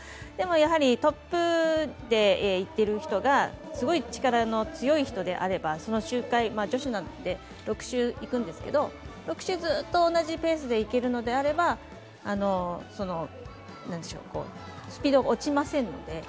でも、トップで行っている人がすごい力の強い人であればその周回女子なので６周行くんですけど６周ずっと同じペースで行けるのであればスピードが落ちませんので。